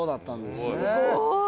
すごい。